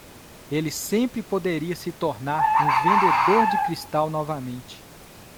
Ele sempre poderia se tornar um vendedor de cristal novamente.